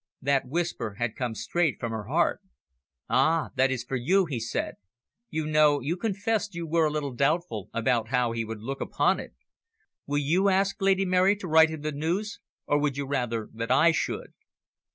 That whisper had come straight from her heart. "Ah, that is for you," he said. "You know, you confessed you were a little doubtful about how he would look upon it. Will you ask Lady Mary to write him the news, or would you rather that I should?"